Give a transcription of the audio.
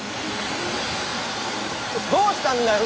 どうしたんだよ？